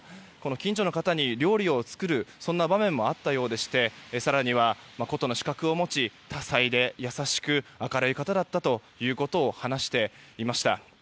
近所の方に料理を作るそんな場面もあったようでして更には琴の資格を持ち、多才で優しく明るい方だったということを話していました。